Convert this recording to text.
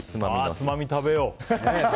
つまみ食べよう。